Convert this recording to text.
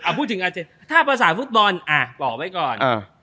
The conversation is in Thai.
อ่ะพูดถึงอาเจนถ้าประสาทฟุตบอลหลอกไว้ก่อน